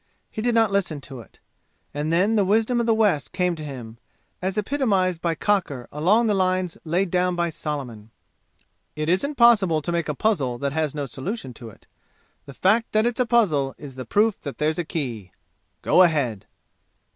He did not listen to it. And then the wisdom of the West came to him, as epitomized by Cocker along the lines laid down by Solomon. "It isn't possible to make a puzzle that has no solution to it. The fact that it's a puzzle is the proof that there's a key! Go ahead!"